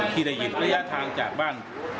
ที่ได้หยิบระยะทางจากบ้าน